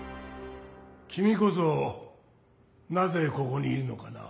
きみこそなぜここにいるのかな？